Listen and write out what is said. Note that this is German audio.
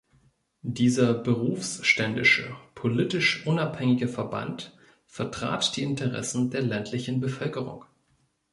Dieser berufsständische, politisch unabhängige Verband vertrat die Interessen der ländlichen Bevölkerung.